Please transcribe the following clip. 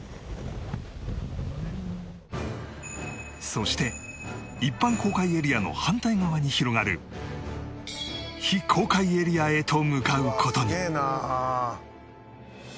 そして一般公開エリアの反対側に広がる非公開エリアへと向かう事に